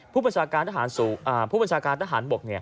ผู้ปุจาคารทหารบก